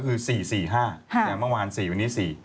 คือ๔๔๕แต่เมื่อวาน๔วันนี้๔